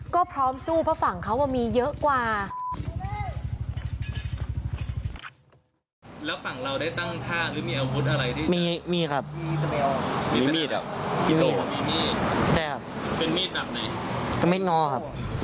ก็พร้อมสู้เพราะฝั่งเขามีเยอะกว่า